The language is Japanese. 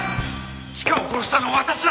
チカを殺したのは私だ！